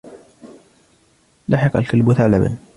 لحِق الكلب ثعلبًا.